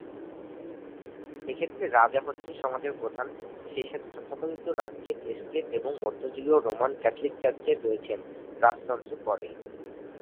এক্ষেত্রে রাজা হচ্ছেন সমাজের প্রধান, সেই সাথে তথাকথিত রাজ্যের এস্টেট এবং মধ্যযুগীয় রোমান ক্যাথলিক চার্চ রয়েছেন রাজতন্ত্রের পরেই।